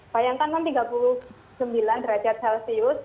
bayangkan kan tiga puluh sembilan derajat celcius